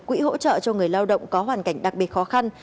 quỹ hỗ trợ cho người lao động có hoàn cảnh đặc biệt khó khăn